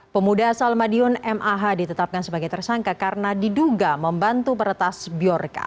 pemuda salmadion mah ditetapkan sebagai tersangka karena diduga membantu peretas biorka